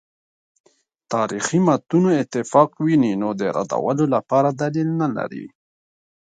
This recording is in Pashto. تاریخي متونو اتفاق ویني نو د ردولو لپاره دلیل نه لري.